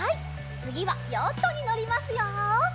つぎはヨットにのりますよ。